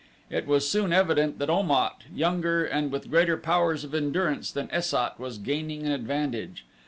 It was soon evident that Om at, younger and with greater powers of endurance than Es sat, was gaining an advantage.